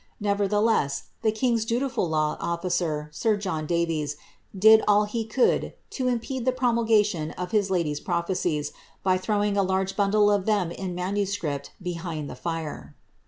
Nevertheless, the king^s dutiful law olfioer, sir John Davys, did all he rovld to impede the promulgation of liis lady^s propiiecies, by throwing a large bundle of them in manuscript belli lui the fire.